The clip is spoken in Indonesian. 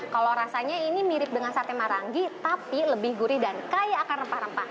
kalau rasanya ini mirip dengan sate marangi tapi lebih gurih dan kaya akan rempah rempah